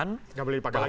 nggak boleh dipakai lagi